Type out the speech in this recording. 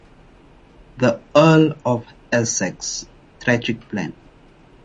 The Earl of Essex, tragic plan.